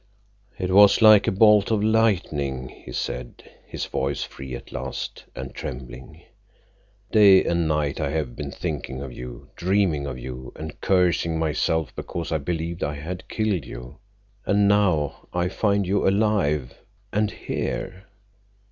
"It was like a bolt of lightning," he said, his voice free at last and trembling. "Day and night I have been thinking of you, dreaming of you, and cursing myself because I believed I had killed you. And now I find you alive. And _here!